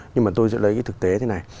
nhưng mà tôi sẽ lấy cái thực tế thế này